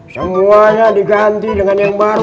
semuanya diganti dengan yang baru